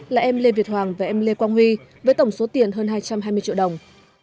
là em lê việt hoàng và em lê quang huy với tổng số tiền hơn hai trăm hai mươi triệu đồng